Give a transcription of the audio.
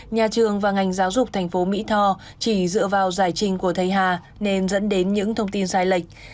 nhà trường và ngành giáo dục thành phố mỹ tho chỉ dựa vào giải trình của thầy hà nên dẫn đến những thông tin sai lệch